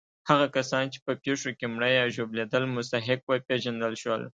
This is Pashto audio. هغه کسان چې په پېښو کې مړه یا ژوبلېدل مستحق وپېژندل شول.